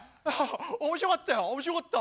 面白かったよ面白かった。